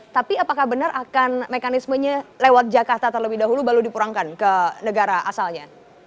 tapi apakah benar akan mekanismenya lewat jakarta terlebih dahulu baru dipulangkan ke negara asalnya